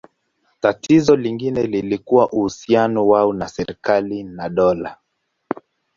Tatizo lingine lilikuwa uhusiano wao na serikali na dola.